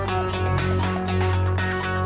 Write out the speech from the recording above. สวัสดีครับ